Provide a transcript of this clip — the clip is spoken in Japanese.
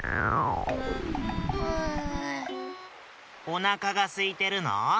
おなかがすいてるの？